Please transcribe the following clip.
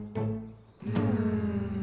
うん。